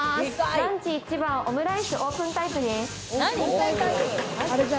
ランチ一番オムライス、オープンタイプです。